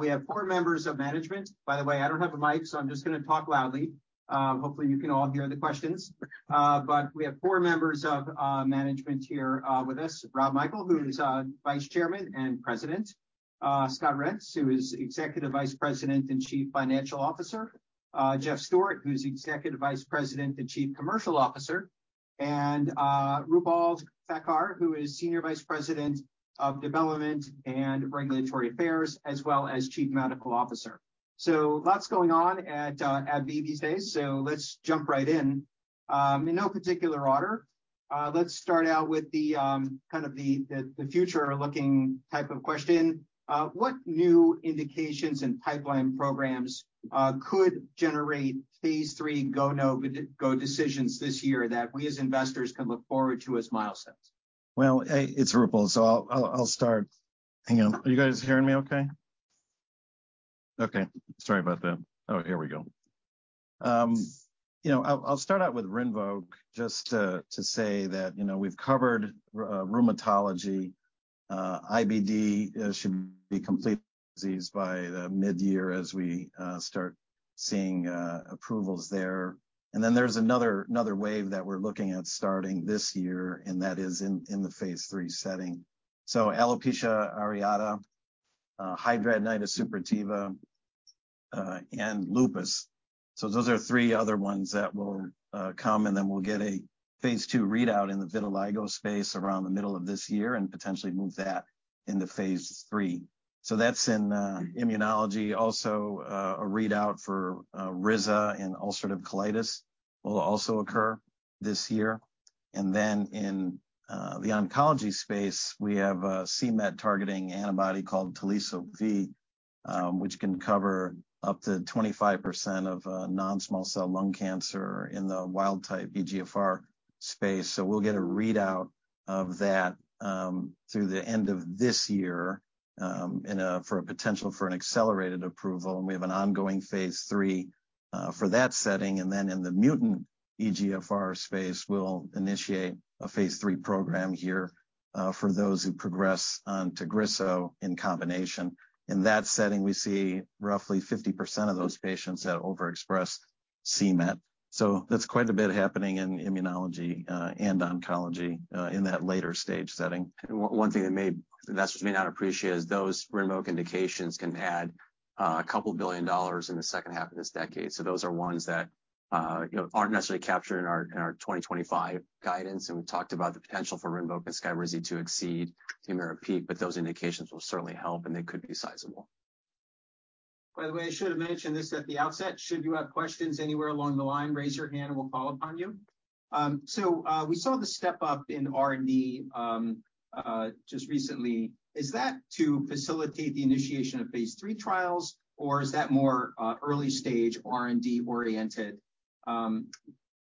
We have four members of management. By the way, I don't have a mic, so I'm just gonna talk loudly. Hopefully you can all hear the questions. We have four members of management here with us. Rob Michael, who is Vice Chairman and President. Scott Reents, who is Executive Vice President and Chief Financial Officer. Jeff Stewart, who's Executive Vice President and Chief Commercial Officer. Roopal Thakkar, who is Senior Vice President of Development and Regulatory Affairs, as well as Chief Medical Officer. Lots going on at AbbVie these days, so let's jump right in. In no particular order, let's start out with the kind of the future-looking type of question. What new indications and pipeline programs could generate phase III go/no-go decisions this year that we, as investors, can look forward to as milestones? Well, it's Roopal, so I'll start. Hang on. Are you guys hearing me okay? Okay, sorry about that. Oh, here we go. You know, I'll start out with RINVOQ just to say that, you know, we've covered rheumatology. IBD should be complete disease by the mid-year as we start seeing approvals there. Then there's another wave that we're looking at starting this year, and that is in the phase III setting. Alopecia areata, hidradenitis suppurativa, and lupus. Those are three other ones that will come, and then we'll get a phase II readout in the vitiligo space around the middle of this year and potentially move that into phase III. That's in immunology. Also, a readout for SKYRIZI in ulcerative colitis will also occur this year. In the oncology space, we have a c-Met targeting antibody called Teliso-V, which can cover up to 25% of non-small cell lung cancer in the wild type EGFR space. We'll get a readout of that through the end of this year for a potential for an accelerated approval, and we have an ongoing phase III for that setting. In the mutant EGFR space, we'll initiate a phase III program here for those who progress on Tagrisso in combination. In that setting, we see roughly 50% of those patients have overexpressed c-Met. That's quite a bit happening in immunology and oncology in that later stage setting. One thing that investors may not appreciate is those RINVOQ indications can add a couple billion dollars in the second half of this decade. Those are ones that, you know, aren't necessarily captured in our 2025 guidance, and we've talked about the potential for RINVOQ and SKYRIZI to exceed HUMIRA peak, but those indications will certainly help, and they could be sizable. By the way, I should have mentioned this at the outset. Should you have questions anywhere along the line, raise your hand and we'll call upon you. We saw the step up in R&D just recently. Is that to facilitate the initiation of phase III trials, or is that more early stage R&D oriented?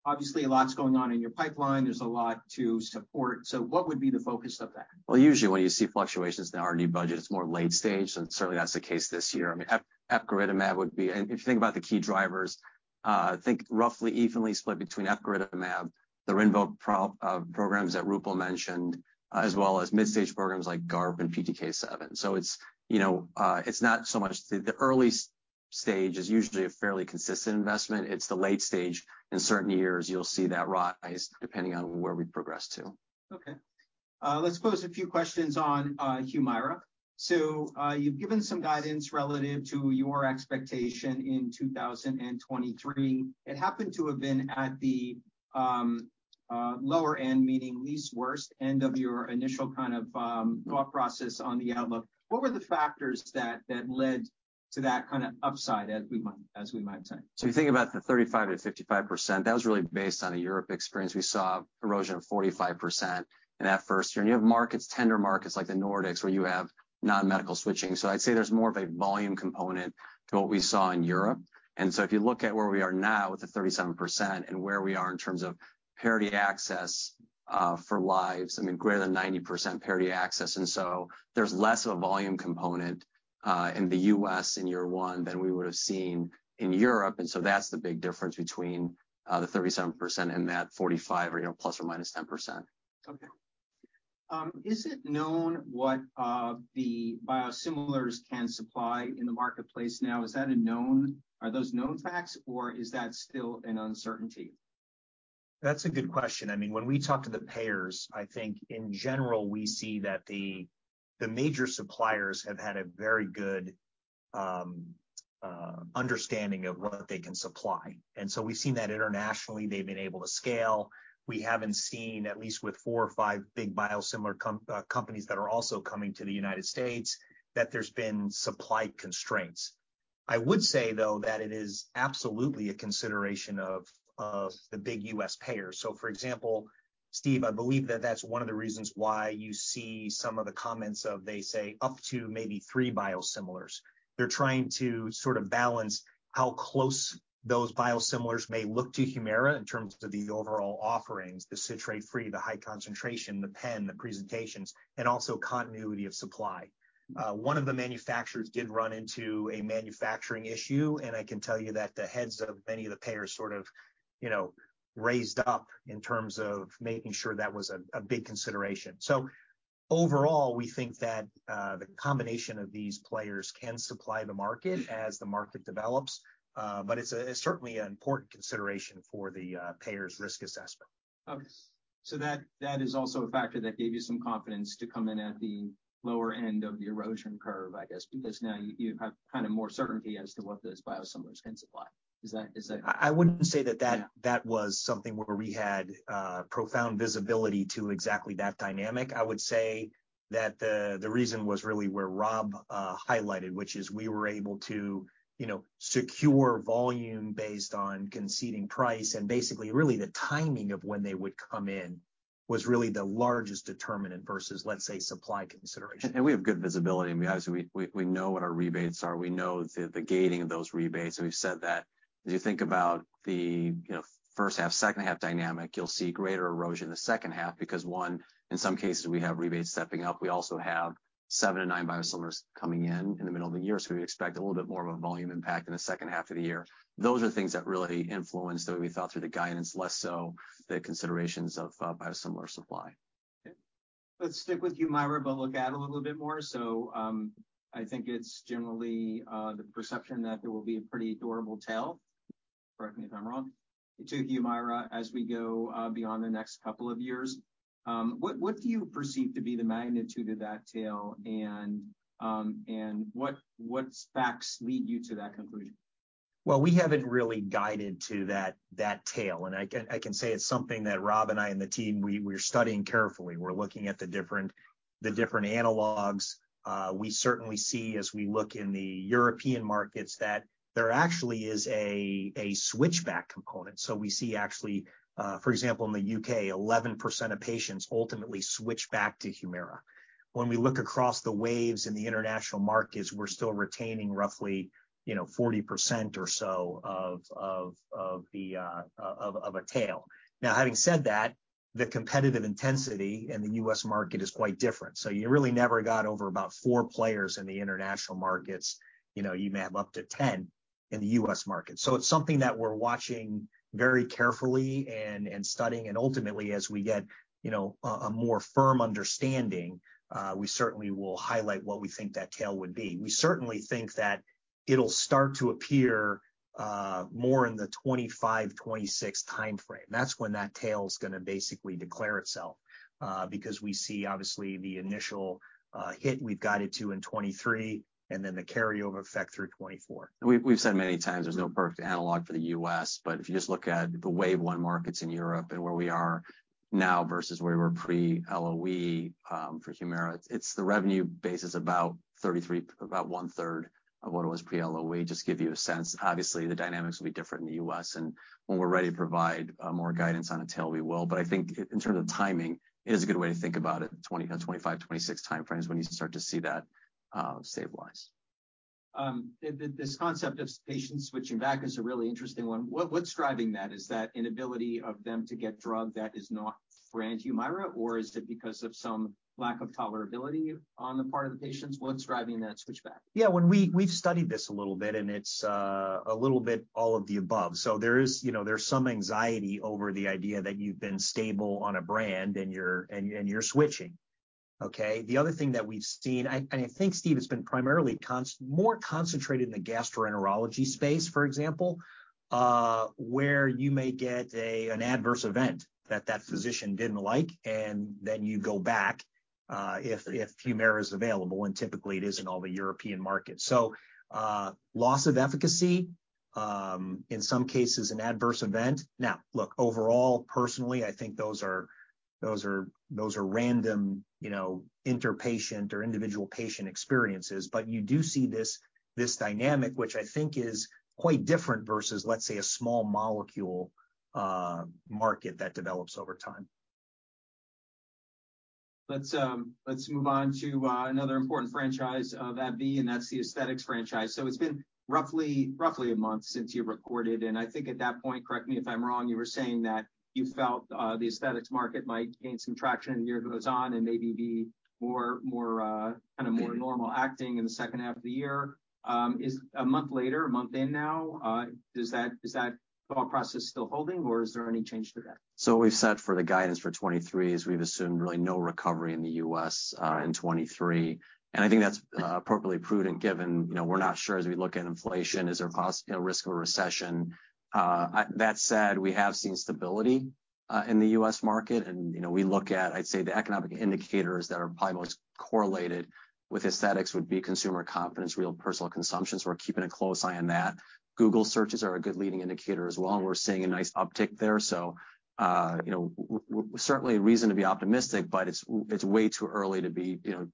Obviously a lot's going on in your pipeline. There's a lot to support. What would be the focus of that? Well, usually when you see fluctuations in the R&D budget, it's more late stage, and certainly that's the case this year. I mean, epcoritamab would be... If you think about the key drivers, I think roughly evenly split between epcoritamab, the RINVOQ pro programs that Roopal mentioned, as well as midstage programs like GARP and PTK7. it's, you know, it's not so much the early stage is usually a fairly consistent investment. It's the late stage, in certain years you'll see that rise depending on where we progress to. Okay. let's pose a few questions on HUMIRA. you've given some guidance relative to your expectation in 2023. It happened to have been at the lower end, meaning least worst end of your initial kind of thought process on the outlook. What were the factors that led to that kind of upside as we might say? You think about the 35%-55%, that was really based on a Europe experience. We saw erosion of 45% in that first year. You have markets, tender markets like the Nordics, where you have non-medical switching. I'd say there's more of a volume component to what we saw in Europe. If you look at where we are now with the 37% and where we are in terms of parity access, for lives, I mean, greater than 90% parity access. There's less of a volume component in the U.S. in year one than we would have seen in Europe, that's the big difference between the 37% and that 45, or, you know, ±10%. Okay. Is it known what the biosimilars can supply in the marketplace now? Are those known facts, or is that still an uncertainty? That's a good question. I mean, when we talk to the payers, I think in general, we see that the major suppliers have had a very good understanding of what they can supply. We've seen that internationally, they've been able to scale. We haven't seen, at least with four or five big biosimilar companies that are also coming to the United States, that there's been supply constraints. I would say, though, that it is absolutely a consideration of the big U.S. payers. For example, Steve, I believe that that's one of the reasons why you see some of the comments of, they say, up to maybe three biosimilars. They're trying to sort of balance how close those biosimilars may look to HUMIRA in terms of the overall offerings, the citrate free, the high concentration, the pen, the presentations, and also continuity of supply. One of the manufacturers did run into a manufacturing issue, and I can tell you that the heads of many of the payers sort of, you know, raised up in terms of making sure that was a big consideration. Overall, we think that the combination of these players can supply the market as the market develops. But it's a, it's certainly an important consideration for the payer's risk assessment. That is also a factor that gave you some confidence to come in at the lower end of the erosion curve, I guess. Because now you have kind of more certainty as to what those biosimilars can supply. Is that? I wouldn't say that. Yeah. That was something where we had profound visibility to exactly that dynamic. I would say that the reason was really where Rob highlighted, which is we were able to, you know, secure volume based on conceding price, and basically really the timing of when they would come in was really the largest determinant versus, let's say, supply consideration. We have good visibility, and we obviously know what our rebates are. We know the gating of those rebates, and we've said that as you think about the, you know, first half/second half dynamic, you'll see greater erosion in the second half because, one, in some cases, we have rebates stepping up. We also have seven to nine biosimilars coming in in the middle of the year, we expect a little bit more of a volume impact in the second half of the year. Those are things that really influenced the way we thought through the guidance, less so the considerations of biosimilar supply. Okay. Let's stick with HUMIRA but look out a little bit more. I think it's generally the perception that there will be a pretty durable tail, correct me if I'm wrong, to HUMIRA as we go beyond the next couple of years. What do you perceive to be the magnitude of that tail, and what facts lead you to that conclusion? We haven't really guided to that tail, and I can say it's something that Rob and I and the team, we're studying carefully. We're looking at the different analogs. We certainly see as we look in the European markets that there actually is a switchback component. We see actually, for example, in the U.K., 11% of patients ultimately switch back to HUMIRA. When we look across the waves in the international markets, we're still retaining roughly, you know, 40% or so of the tail. Having said that, the competitive intensity in the U.S. market is quite different. You really never got over about four players in the international markets. You know, you may have up to 10 in the U.S. market. It's something that we're watching very carefully and studying, and ultimately, as we get, you know, a more firm understanding, we certainly will highlight what we think that tail would be. We certainly think that it'll start to appear more in the 2025, 2026 timeframe. That's when that tail's gonna basically declare itself, because we see obviously the initial hit we've guided to in 2023, and then the carryover effect through 2024. We've said many times there's no perfect analog for the U.S., but if you just look at the wave one markets in Europe and where we are now versus where we were pre-LOE for HUMIRA, the revenue base is about 33, about one-third of what it was pre-LOE. Just give you a sense. Obviously, the dynamics will be different in the U.S., and when we're ready to provide more guidance on the tail, we will. I think in terms of timing, it is a good way to think about it, you know, 2025, 2026 timeframe is when you start to see that stabilize. This concept of patients switching back is a really interesting one. What's driving that? Is that inability of them to get drug that is not brand HUMIRA, or is it because of some lack of tolerability on the part of the patients? What's driving that switch back? When we've studied this a little bit, and it's a little bit all of the above. There is, you know, there's some anxiety over the idea that you've been stable on a brand and you're switching. Okay? The other thing that we've seen, I, and I think, Steve, it's been primarily more concentrated in the gastroenterology space, for example, where you may get a, an adverse event that that physician didn't like, and then you go back, if HUMIRA is available, and typically it is in all the European markets. Loss of efficacy, in some cases an adverse event. Look, overall, personally, I think those are random, you know, inter-patient or individual patient experiences. You do see this dynamic, which I think is quite different versus, let's say, a small molecule, market that develops over time. Let's move on to another important franchise of AbbVie, and that's the aesthetics franchise. It's been roughly a month since you recorded, and I think at that point, correct me if I'm wrong, you were saying that you felt the aesthetics market might gain some traction as the year goes on and maybe be more kind of more normal acting in the second half of the year. A month later, a month in now, is that thought process still holding, or is there any change to that? What we've said for the guidance for 2023 is we've assumed really no recovery in the U.S., in 2023, and I think that's appropriately prudent given, you know, we're not sure as we look at inflation, is there a risk of a recession? That said, we have seen stability in the U.S. market, and, you know, we look at, I'd say, the economic indicators that are probably most correlated with aesthetics would be consumer confidence, real personal consumption, so we're keeping a close eye on that. Google searches are a good leading indicator as well, and we're seeing a nice uptick there. You know, certainly a reason to be optimistic, but it's way too early to be, you know,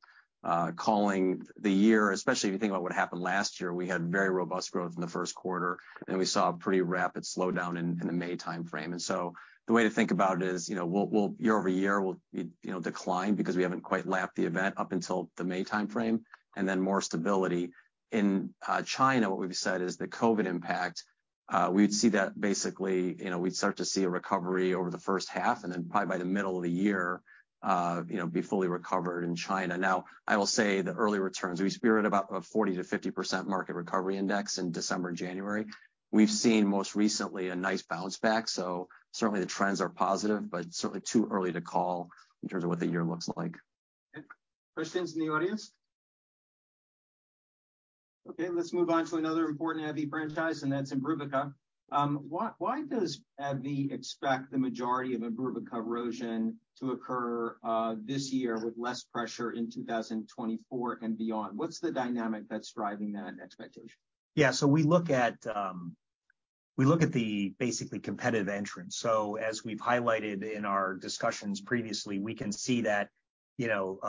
calling the year, especially if you think about what happened last year. We had very robust growth in the first quarter. Then we saw a pretty rapid slowdown in the May timeframe. So the way to think about it is, you know, we'll year-over-year we'll, you know, decline because we haven't quite lapped the event up until the May timeframe and then more stability. In China, what we've said is the COVID impact, we'd see that basically, you know, we'd start to see a recovery over the first half and then probably by the middle of the year, you know, be fully recovered in China. I will say the early returns, we spearheaded about a 40%-50% market recovery index in December and January. We've seen most recently a nice bounce back, so certainly the trends are positive, but certainly too early to call in terms of what the year looks like. Okay. Questions in the audience? Okay, let's move on to another important AbbVie franchise, and that's IMBRUVICA. Why does AbbVie expect the majority of IMBRUVICA erosion to occur this year with less pressure in 2024 and beyond? What's the dynamic that's driving that expectation? We look at the basically competitive entrants. As we've highlighted in our discussions previously, we can see that, you know,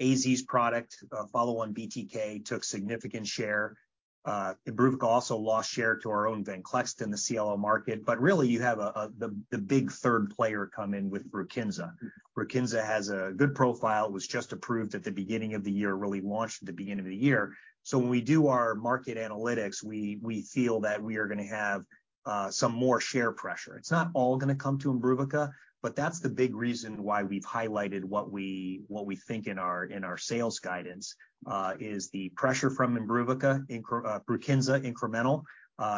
AstraZeneca's product, follow on BTK, took significant share. IMBRUVICA also lost share to our own VENCLEXTA in the CLL market. Really, you have the big third player come in with Brukinsa. Brukinsa has a good profile. It was just approved at the beginning of the year, really launched at the beginning of the year. When we do our market analytics, we feel that we are gonna have some more share pressure. It's not all gonna come to IMBRUVICA, that's the big reason why we've highlighted what we, what we think in our, in our sales guidance, is the pressure from IMBRUVICA Brukinsa incremental,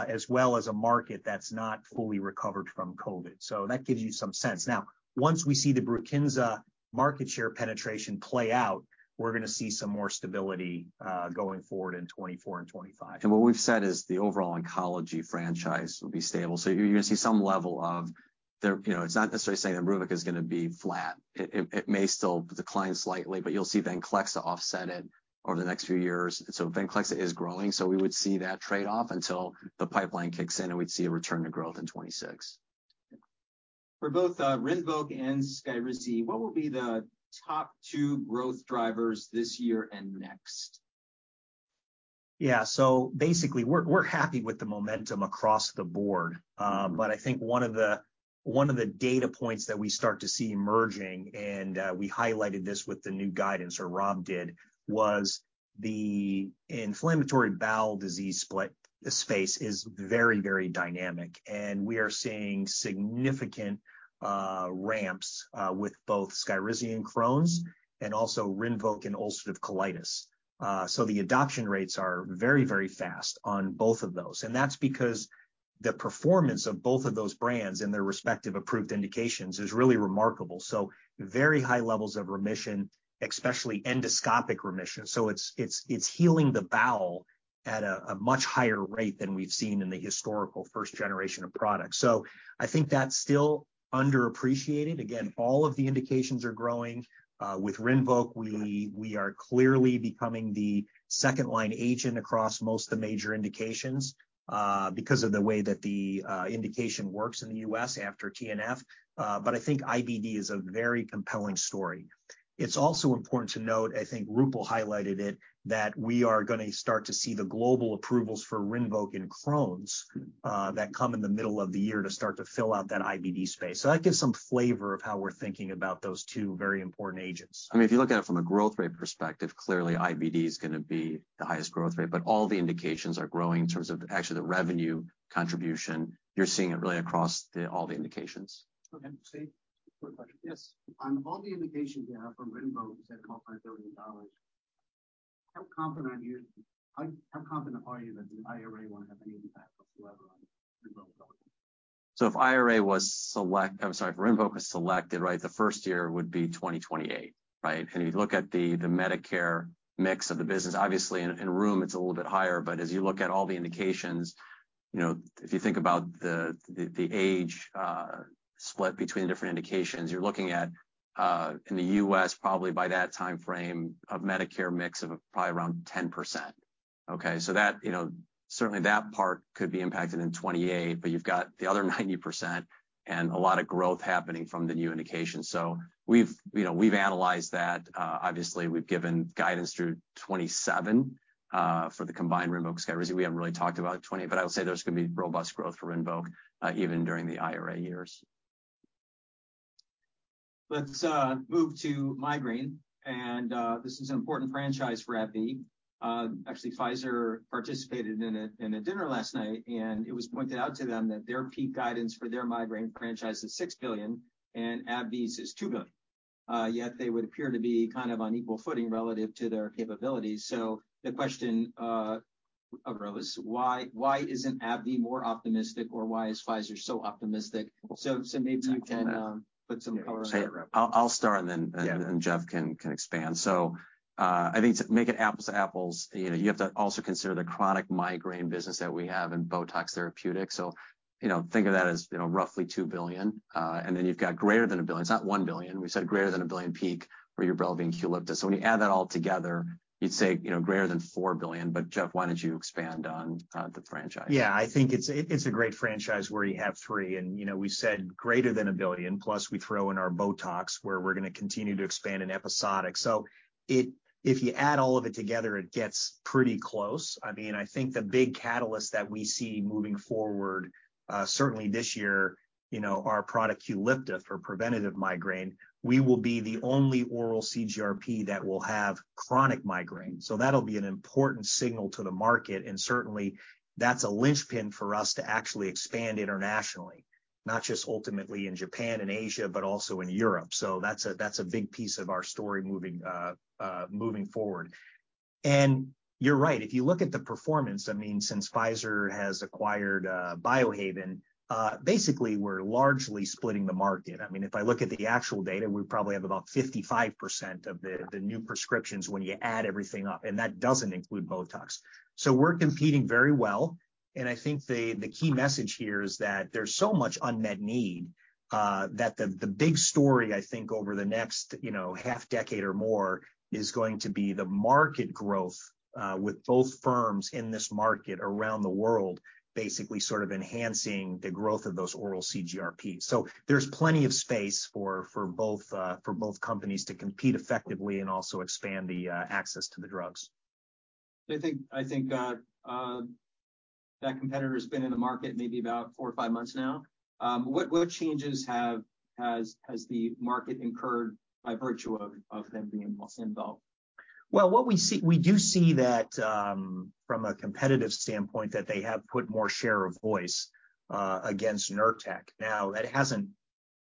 as well as a market that's not fully recovered from COVID. That gives you some sense. Now, once we see the Brukinsa market share penetration play out, we're gonna see some more stability going forward in 2024 and 2025. What we've said is the overall oncology franchise will be stable. You're gonna see some level of... You know, it's not necessarily saying IMBRUVICA is gonna be flat. It may still decline slightly, but you'll see VENCLEXTA offset it over the next few years. VENCLEXTA is growing, so we would see that trade-off until the pipeline kicks in, and we'd see a return to growth in 2026. For both, RINVOQ and SKYRIZI, what will be the top two growth drivers this year and next? Basically we're happy with the momentum across the board. I think one of the, one of the data points that we start to see emerging, and we highlighted this with the new guidance, or Rob did, was the inflammatory bowel disease split. The space is very, very dynamic, and we are seeing significant ramps with both SKYRIZI and Crohn's and also RINVOQ and ulcerative colitis. The adoption rates are very, very fast on both of those. That's because the performance of both of those brands in their respective approved indications is really remarkable. Very high levels of remission, especially endoscopic remission. It's, it's healing the bowel at a much higher rate than we've seen in the historical first generation of products. I think that's still underappreciated. Again, all of the indications are growing. With RINVOQ, we are clearly becoming the second line agent across most of the major indications, because of the way that the indication works in the U.S. after TNF. I think IBD is a very compelling story. It's also important to note, I think Roopal highlighted it, that we are gonna start to see the global approvals for RINVOQ and Crohn's, that come in the middle of the year to start to fill out that IBD space. That gives some flavor of how we're thinking about those two very important agents. I mean, if you look at it from a growth rate perspective, clearly IBD is gonna be the highest growth rate, but all the indications are growing in terms of actually the revenue contribution. You're seeing it really across all the indications. Okay, Rob. Quick question. Yes. On all the indications you have for RINVOQ, you said multi-billion dollars, how confident are you that the IRA won't have any impact whatsoever on RINVOQ revenue? If IRA was, if RINVOQ was selected, right, the first year would be 2028, right? You look at the Medicare mix of the business, obviously in Rheum it's a little bit higher, but as you look at all the indications, you know, if you think about the age split between different indications, you're looking at in the U.S. probably by that timeframe of Medicare mix of probably around 10%. That, you know, certainly that part could be impacted in 2028, but you've got the other 90% and a lot of growth happening from the new indications. We've, you know, analyzed that. Obviously, we've given guidance through 2027 for the combined RINVOQ, SKYRIZI. We haven't really talked about 28, but I would say there's gonna be robust growth for RINVOQ even during the IRA years. Let's move to migraine, this is an important franchise for AbbVie. Actually, Pfizer participated in a dinner last night, and it was pointed out to them that their peak guidance for their migraine franchise is $6 billion, and AbbVie's is $2 billion. Yet they would appear to be kind of on equal footing relative to their capabilities. The question arose, why isn't AbbVie more optimistic, or why is Pfizer so optimistic? Maybe you can put some color on that. I'll start. Yeah. Jeff can expand. I think to make it apples to apples, you know, you have to also consider the chronic migraine business that we have in BOTOX Therapeutic. You know, think of that as, you know, roughly $2 billion, and then you've got greater than $1 billion. It's not $1 billion. We said greater than $1 billion peak for UBRELVY and QULIPTA. When you add that all together, you'd say, you know, greater than $4 billion, Jeff, why don't you expand on the franchise? Yeah, I think it's a, it's a great franchise where you have three, you know, we said greater than $1 billion, plus we throw in our BOTOX, where we're gonna continue to expand in episodic. If you add all of it together, it gets pretty close. I mean, I think the big catalyst that we see moving forward, certainly this year, you know, our product QULIPTA for preventative migraine, we will be the only oral CGRP that will have chronic migraine. That'll be an important signal to the market, and certainly that's a linchpin for us to actually expand internationally, not just ultimately in Japan and Asia, but also in Europe. That's a, that's a big piece of our story moving forward. You're right. If you look at the performance, I mean, since Pfizer has acquired Biohaven, basically we're largely splitting the market. I mean, if I look at the actual data, we probably have about 55% of the new prescriptions when you add everything up, and that doesn't include BOTOX. We're competing very well, and I think the key message here is that there's so much unmet need that the big story, I think, over the next, you know, half decade or more is going to be the market growth with both firms in this market around the world basically sort of enhancing the growth of those oral CGRPs. There's plenty of space for both, for both companies to compete effectively and also expand the access to the drugs. I think, that competitor's been in the market maybe about four or five months now. What changes has the market incurred by virtue of them being more involved? Well, we do see that, from a competitive standpoint, that they have put more share of voice against Nurtec. Now, that hasn't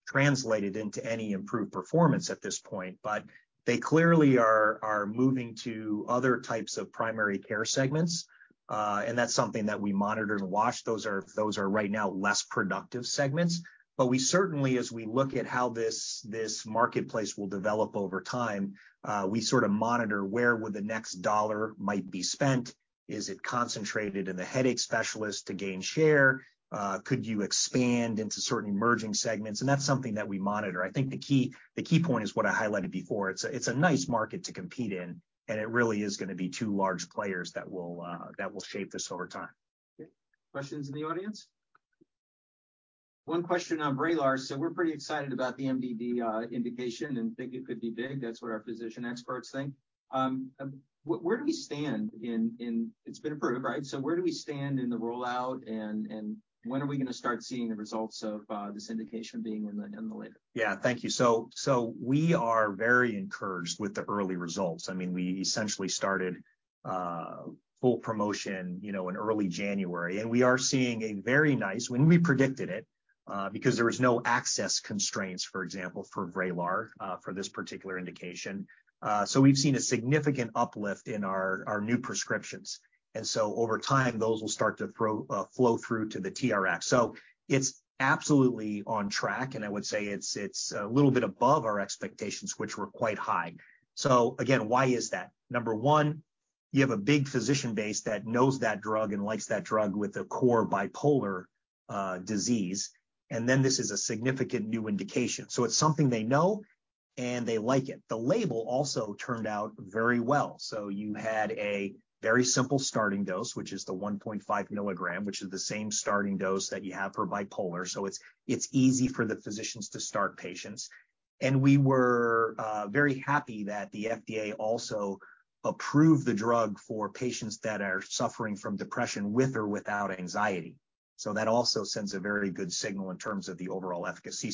translated into any improved performance at this point, but they clearly are moving to other types of primary care segments, that's something that we monitor and watch. Those are right now less productive segments. We certainly, as we look at how this marketplace will develop over time, we sort of monitor where would the next $1 might be spent. Is it concentrated in the headache specialist to gain share? Could you expand into certain emerging segments? That's something that we monitor. I think the key point is what I highlighted before. It's a, it's a nice market to compete in, and it really is gonna be two large players that will, that will shape this over time. Okay. Questions in the audience? One question on VRAYLAR. We're pretty excited about the MDD indication and think it could be big. That's what our physician experts think. It's been approved, right? Where do we stand in the rollout, and when are we gonna start seeing the results of this indication being in the label? Yeah. Thank you. We are very encouraged with the early results. I mean, we essentially started full promotion, you know, in early January, and we are seeing a very nice... and we predicted it because there was no access constraints, for example, for VRAYLAR for this particular indication. We've seen a significant uplift in our new prescriptions. Over time, those will start to flow through to the TRX. It's absolutely on track, and I would say it's a little bit above our expectations, which were quite high. Again, why is that? Number one, you have a big physician base that knows that drug and likes that drug with the core bipolar disease, and then this is a significant new indication. It's something they know, and they like it. The label also turned out very well. You had a very simple starting dose, which is the 1.5 mg, which is the same starting dose that you have for bipolar. It's easy for the physicians to start patients. We were very happy that the FDA also approved the drug for patients that are suffering from depression with or without anxiety. That also sends a very good signal in terms of the overall efficacy.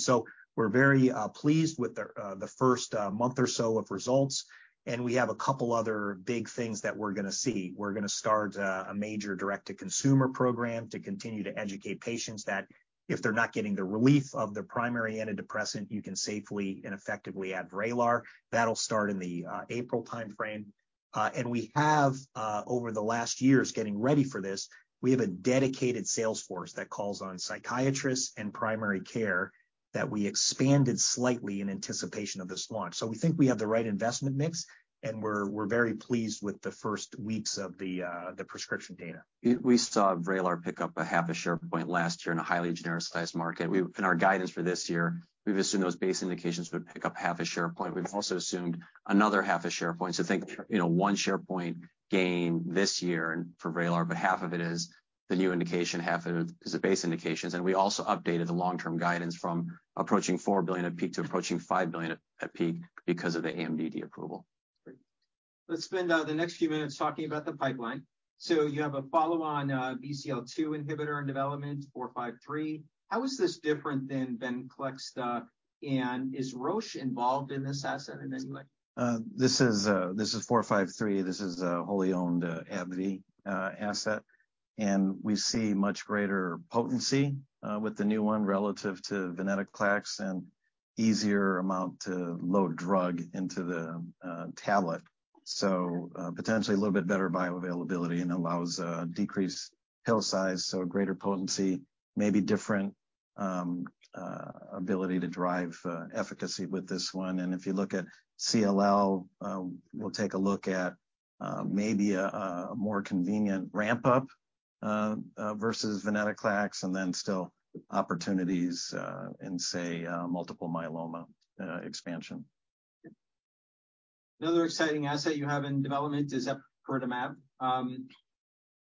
We're very pleased with the first month or so of results, and we have a couple other big things that we're gonna see. We're gonna start a major direct-to-consumer program to continue to educate patients that if they're not getting the relief of their primary antidepressant, you can safely and effectively add VRAYLAR. That'll start in the April timeframe. We have, over the last years, getting ready for this, we have a dedicated sales force that calls on psychiatrists and primary care that we expanded slightly in anticipation of this launch. We think we have the right investment mix, and we're very pleased with the first weeks of the prescription data. We saw VRAYLAR pick up a half a share point last year in a highly genericized market. In our guidance for this year, we've assumed those base indications would pick up half a share point. We've also assumed another half a share point. Think, you know, one share point gain this year and for VRAYLAR, but half of it is the new indication, half of it is the base indications. We also updated the long-term guidance from approaching $4 billion at peak to approaching $5 billion at peak because of the MDD approval. Great. Let's spend the next few minutes talking about the pipeline. You have a follow on BCL-2 inhibitor in development, ABBV-453. How is this different than VENCLEXTA, and is Roche involved in this asset in any way? This is 453. This is a wholly owned, AbbVie, asset. We see much greater potency, with the new one relative to VENCLEXTA and easier amount to load drug into the tablet. Potentially a little bit better bioavailability and allows a decreased pill size, so a greater potency, maybe different, ability to drive, efficacy with this one. If you look at CLL, we'll take a look at, maybe a more convenient ramp-up, versus VENCLEXTA, and then still opportunities, in, say, multiple myeloma, expansion. Another exciting asset you have in development is epcoritamab.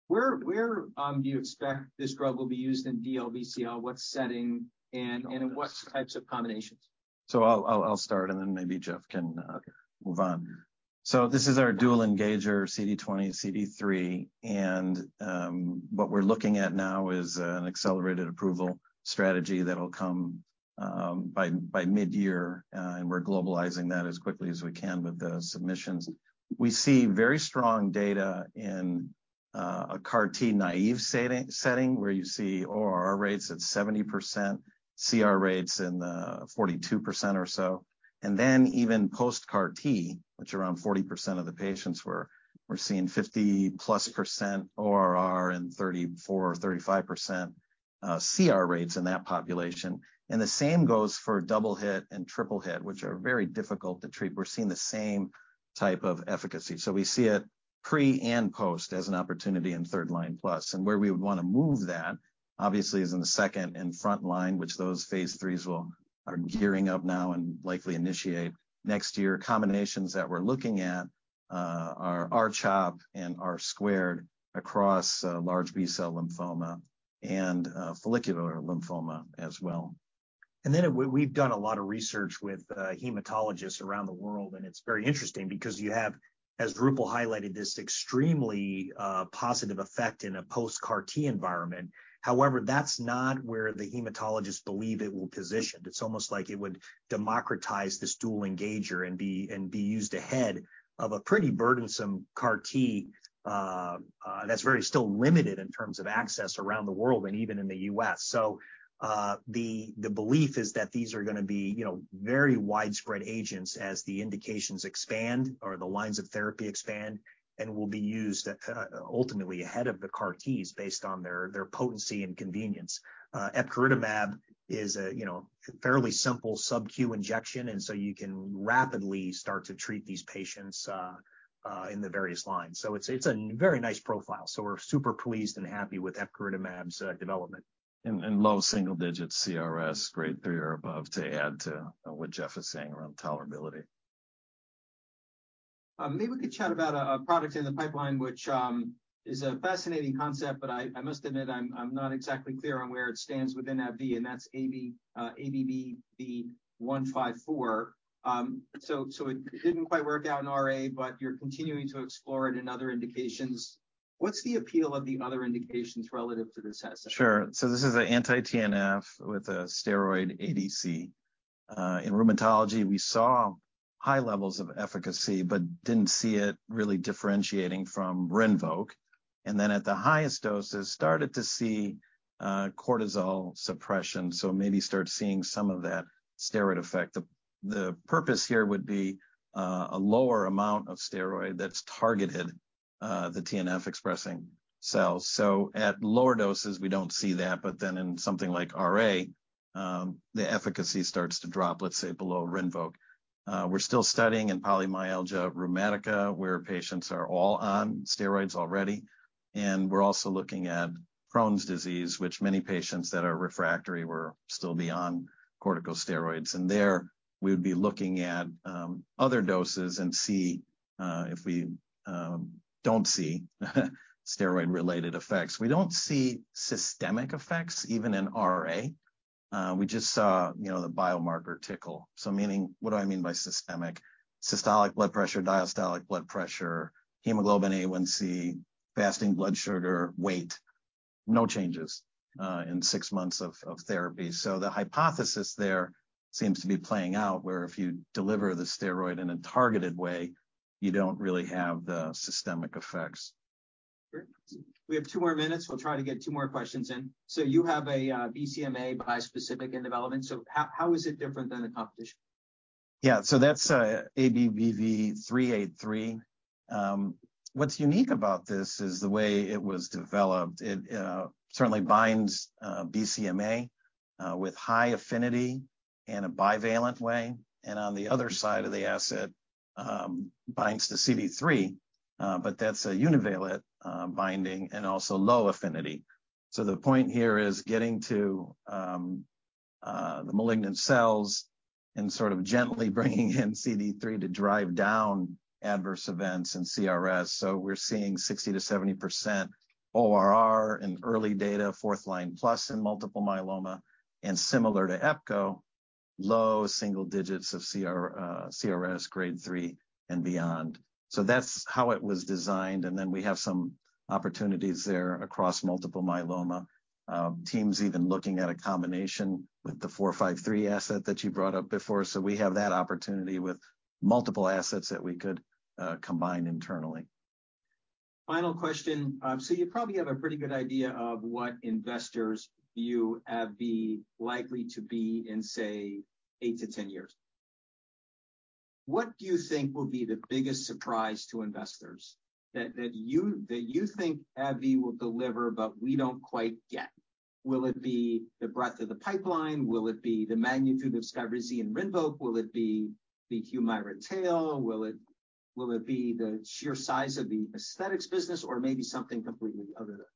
Where do you expect this drug will be used in DLBCL? What setting and in what types of combinations? I'll start, then maybe Jeff can move on. This is our dual engager, CD20, CD3, and what we're looking at now is an accelerated approval strategy that'll come by mid-year, and we're globalizing that as quickly as we can with the submissions. We see very strong data in a CAR T naive setting where you see ORR rates at 70%, CR rates in 42% or so. Even post-CAR T, which around 40% of the patients were, we're seeing 50%-plus ORR and 34-35%, CR rates in that population. The same goes for double-hit and triple-hit, which are very difficult to treat. We're seeing the same type of efficacy. We see it pre and post as an opportunity in third line plus. Where we would wanna move that, obviously, is in the second and front line, which those phase threes are gearing up now and likely initiate next year. Combinations that we're looking at, are R-CHOP and R² across, large B-cell lymphoma and, follicular lymphoma as well. We've done a lot of research with hematologists around the world, and it's very interesting because you have, as Roopal highlighted, this extremely positive effect in a post-CAR T environment. However, that's not where the hematologists believe it will position. It's almost like it would democratize this dual engager and be used ahead of a pretty burdensome CAR T that's very still limited in terms of access around the world and even in the U.S. The belief is that these are gonna be, you know, very widespread agents as the indications expand or the lines of therapy expand, and will be used ultimately ahead of the CAR Ts based on their potency and convenience. Epcoritamab is a, you know, fairly simple sub-Q injection, and so you can rapidly start to treat these patients in the various lines. It's a very nice profile. We're super pleased and happy with epcoritamab's development. Low single-digit CRS Grade 3 or above to add to what Jeff is saying around tolerability. Maybe we could chat about a product in the pipeline which is a fascinating concept, but I must admit I'm not exactly clear on where it stands within AbbVie, and that's ABBV-154. It didn't quite work out in RA, but you're continuing to explore it in other indications. What's the appeal of the other indications relative to this asset? Sure. This is a anti-TNF with a steroid ADC. In rheumatology, we saw high levels of efficacy, but didn't see it really differentiating from RINVOQ. At the highest doses, started to see cortisol suppression, so maybe start seeing some of that steroid effect. The purpose here would be a lower amount of steroid that's targeted the TNF expressing cells. At lower doses, we don't see that, but then in something like RA, the efficacy starts to drop, let's say, below RINVOQ. We're still studying in polymyalgia rheumatica, where patients are all on steroids already. We're also looking at Crohn's disease, which many patients that are refractory will still be on corticosteroids. There we would be looking at other doses and see if we don't see steroid-related effects. We don't see systemic effects, even in RA. We just saw, you know, the biomarker tickle. What do I mean by systemic? Systolic blood pressure, diastolic blood pressure, hemoglobin A1c, fasting blood sugar, weight, no changes, in six months of therapy. The hypothesis there seems to be playing out, where if you deliver the steroid in a targeted way, you don't really have the systemic effects. Great. We have two more minutes. We'll try to get two more questions in. You have a BCMA bispecific in development. How is it different than the competition? That's ABBV-383. What's unique about this is the way it was developed. It certainly binds BCMA with high affinity in a bivalent way, and on the other side of the asset, binds to CD3, but that's a univalent binding and also low affinity. The point here is getting to the malignant cells and sort of gently bringing in CD3 to drive down adverse events and CRS. We're seeing 60%-70% ORR in early data, fourth line plus in multiple myeloma, and similar to epcoritamab, low single digits of CR, CRS Grade 3 and beyond. That's how it was designed, and then we have some opportunities there across multiple myeloma. Teams even looking at a combination with the ABBV-453 asset that you brought up before. We have that opportunity with multiple assets that we could combine internally. Final question. You probably have a pretty good idea of what investors view AbbVie likely to be in, say, eight to 10 years. What do you think will be the biggest surprise to investors that you think AbbVie will deliver but we don't quite get? Will it be the breadth of the pipeline? Will it be the magnitude of SKYRIZI and RINVOQ? Will it be the HUMIRA tail? Will it be the sheer size of the aesthetics business or maybe something completely other than that?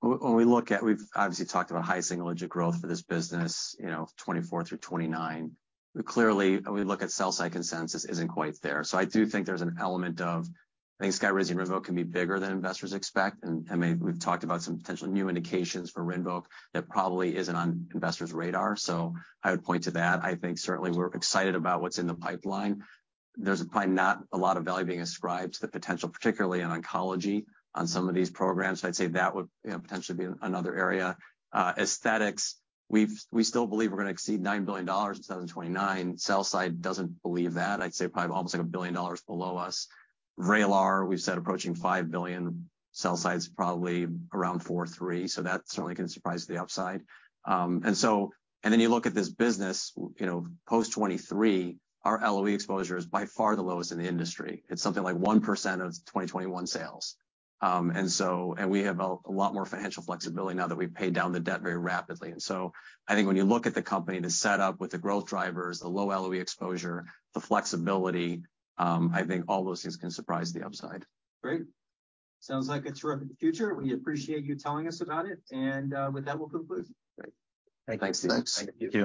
When we look at... We've obviously talked about high single-digit growth for this business, you know, 2024 through 2029. Clearly, when we look at sell-side consensus, isn't quite there. I do think there's an element of, I think SKYRIZI and RINVOQ can be bigger than investors expect. I mean, we've talked about some potential new indications for RINVOQ that probably isn't on investors' radar. I would point to that. I think certainly we're excited about what's in the pipeline. There's probably not a lot of value being ascribed to the potential, particularly in oncology, on some of these programs. I'd say that would, you know, potentially be another area. aesthetics, we still believe we're gonna exceed $9 billion in 2029. Sell-side doesn't believe that. I'd say probably almost, like, $1 billion below us. VRAYLAR, we've said approaching $5 billion. Sell side's probably around $4 billion or $3 billion, so that certainly can surprise the upside. Then you look at this business, you know, post 2023, our LOE exposure is by far the lowest in the industry. It's something like 1% of 2021 sales. We have a lot more financial flexibility now that we've paid down the debt very rapidly. I think when you look at the company, the setup with the growth drivers, the low LOE exposure, the flexibility, I think all those things can surprise the upside. Great. Sounds like a terrific future. We appreciate you telling us about it. With that, we'll conclude. Great. Thanks. Thanks. Thank you.